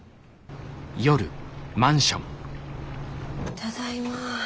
ただいま。